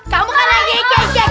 kamu kan lagi kekeke mocin uang